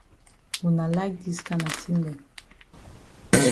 Wuna like dis kana tin dem.